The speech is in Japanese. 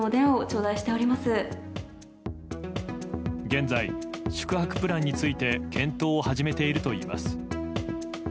現在、宿泊プランについて検討を始めているといいます。